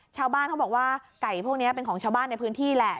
ชาวบ้านเขาบอกว่าไก่พวกนี้เป็นของชาวบ้านในพื้นที่แหละ